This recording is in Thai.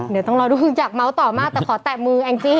เดี๋ยวต้องรอดูอยากเมาส์ต่อมากแต่ขอแตะมือแองจี้